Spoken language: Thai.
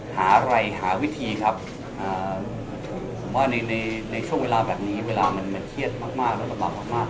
หารัยหาวิธีครับผมว่าในช่วงเวลาแบบนี้เวลามันเทียดมากและประมาณมาก